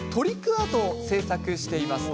アートを製作しています。